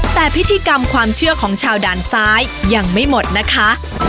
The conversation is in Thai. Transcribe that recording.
แต่พิธีกรรมความเชื่อของชาวด่านซ้ายยังไม่หมดนะคะ